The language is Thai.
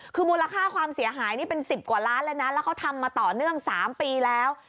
คือมูลค่าความเสียหายนี่เป็น๑๐กว่าล้านเลยนะแล้วเขาทำมาต่อเนื่อง๓ปีแล้ว